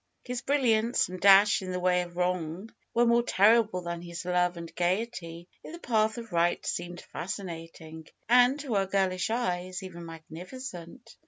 His brilliance and dash in the way of wrong were more terrible than his love and gayety in the path of right seemed fascinating, and, to her girlish eyes, even magnificent.